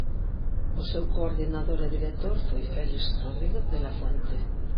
O seu coordinador e director foi Félix Rodríguez de la Fuente.